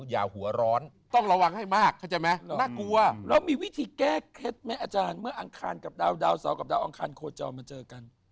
ดาวสองกับทาวน์อังคารโคจรมาเจอกัน